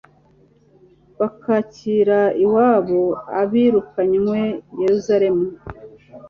bakakira iwabo abirukanywe i yeruzalemu